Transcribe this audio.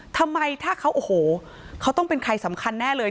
ทำไมถ้าเขาโอ้โหเขาต้องเป็นใครสำคัญแน่เลย